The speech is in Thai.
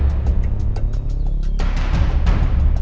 มีบริษัทที่กรุงเทพส่งเมลมาเสนองานที่ทำการตลาดนี้